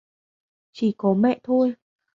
Chỉ có mẹ thôi